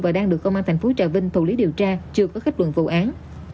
và đang được công an thành phố trà vinh thụ lý điều tra chưa có kết luận vụ án